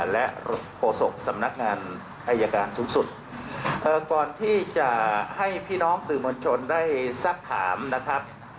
และโฆษกสำนักงานอายการสูงสุดก่อนที่จะให้พี่น้องสื่อมวลชนได้สักถามนะครับ